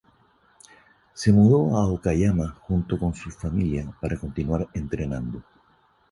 Se mudó a Okayama junto con su familia para continuar entrenando.